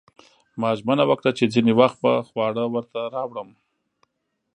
ما ژمنه وکړه چې ځینې وخت به خواړه ورته راوړم